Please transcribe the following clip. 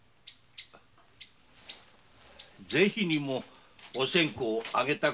ぜひにもお線香をあげたくなりましてな。